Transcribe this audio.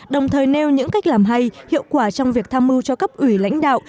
đồng thời nêu những cách làm hay hiệu quả trong việc tham mưu cho cấp ủy lãnh đạo